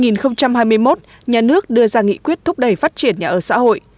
năm hai nghìn hai mươi một nhà nước đưa ra nghị quyết thúc đẩy phát triển nhà ở xã hội